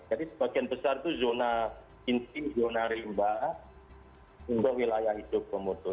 jadi sebagian besar itu zona kinti zona rimba untuk wilayah hidup komodo